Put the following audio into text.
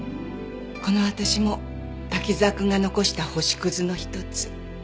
この私も滝沢くんが残した星屑の一つ。